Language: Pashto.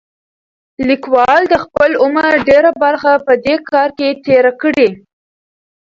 لیکوال د خپل عمر ډېره برخه په دې کار کې تېره کړې.